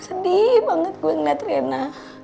sedih banget gue ngeliat rena